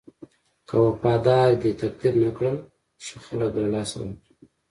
که وفادار دې تقدير نه کړل ښه خلک به له لاسه ورکړې.